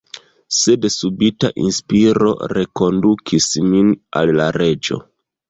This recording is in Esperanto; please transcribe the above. Sed subita inspiro rekondukis min al la Reĝo.